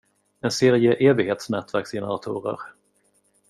En serie evighetsnätverksgeneratorer.